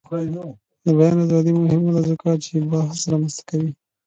د بیان ازادي مهمه ده ځکه چې بحث رامنځته کوي.